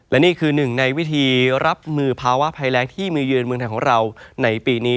และนี่คือหนึ่งในวิธีรับมือภาวะภัยแรงที่มือยืนเมืองไทยของเราในปีนี้